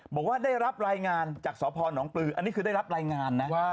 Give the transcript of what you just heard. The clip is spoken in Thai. บอกว่าได้รับรายงานจากสพนปลืออันนี้คือได้รับรายงานนะว่า